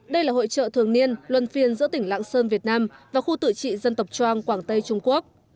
đây là hội trợ thường niên luân phiên giữa tỉnh lạng sơn việt nam và khu tự trị dân tộc trang quảng tây trung quốc